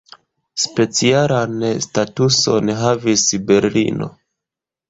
Specialan statuson havis Berlino.